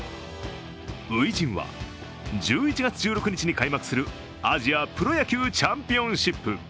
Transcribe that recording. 初陣は１１月１６日に開幕するアジアプロ野球チャンピオンシップ。